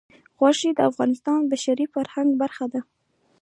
غوښې د افغانستان د بشري فرهنګ برخه ده.